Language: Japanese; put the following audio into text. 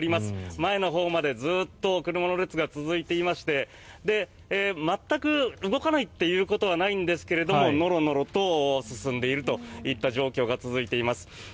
前のほうまでずっと車の列が続いていまして全く動かないっていうことはないんですがノロノロと進んでいるといった状況が続いています。